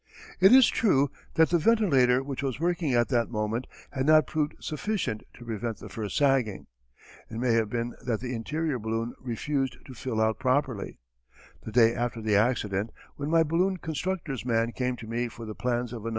It is true that the ventilator which was working at that moment had not proved sufficient to prevent the first sagging. It may have been that the interior balloon refused to fill out properly. The day after the accident when my balloon constructor's man came to me for the plans of a "No.